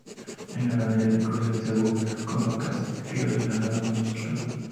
En la ganadería, el cruce de cebú con vacas criollas ha dado buenos resultados.